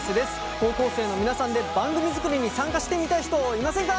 高校生の皆さんで番組作りに参加してみたい人いませんか？